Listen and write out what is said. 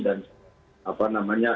dan apa namanya